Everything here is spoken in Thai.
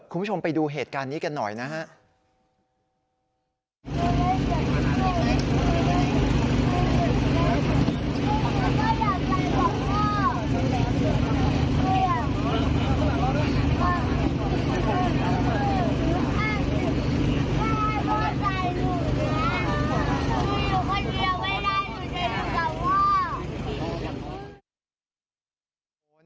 คุณผู้ชมไปดูเหตุการณ์นี้กันหน่อยนะครับ